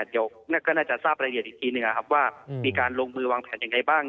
เดี๋ยวก็น่าจะทราบรายละเอียดอีกทีหนึ่งนะครับว่ามีการลงมือวางแผนยังไงบ้าง